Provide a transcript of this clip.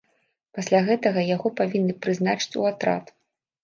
Пасля гэтага яго павінны прызначыць у атрад.